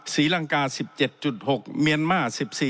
สีลังกา๑๗๖เมียนม่า๑๔๑